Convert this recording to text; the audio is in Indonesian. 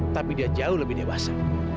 tapi dia jauh lebih dewasa